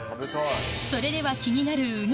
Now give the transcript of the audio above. それでは気になるうに